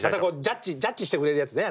ジャッジしてくれるやつね。